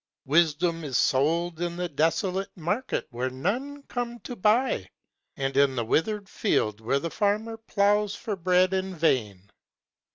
Wisdom is sold in the desolate market where none come to buy, And in the wither'd field where the farmer plows for bread in vain.